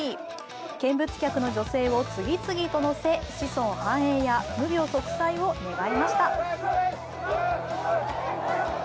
見物客の女性を次々と乗せ子孫繁栄や無病息災を願いました。